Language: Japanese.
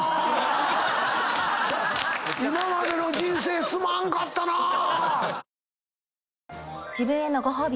今までの人生すまんかったなぁ！